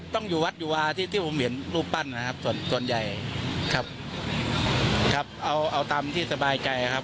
ต้องอยู่วัดอยู่วาที่ผมเห็นรูปปั้นนะครับส่วนใหญ่เอาตามที่สบายใจครับ